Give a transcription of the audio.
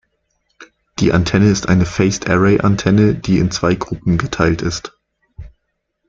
Die Antenne ist eine Phased-Array-Antenne die in zwei Gruppen geteilt ist.